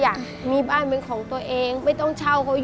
รายการต่อไปนี้เป็นรายการทั่วไปสามารถรับชมได้ทุกวัย